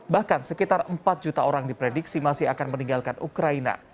bahkan sekitar empat juta orang diprediksi masih akan meninggalkan ukraina